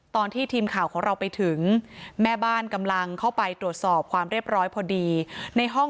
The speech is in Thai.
ตอนที่ทีมข่าวของเราไปถึงแม่บ้านกำลังเข้าไปตรวจสอบความเรียบร้อยพอดีในห้อง